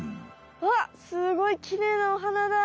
わあっすごいきれいなお花だ！